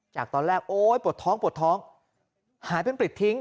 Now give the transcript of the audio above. จากตอนแรกโอ้ยปวดท้องหายเป็นปลิดทิ้ง